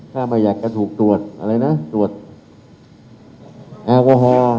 ถ้าไม่อยากจะถูกตรวจอะไรนะตรวจแอลกอฮอล์